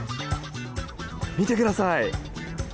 見てください。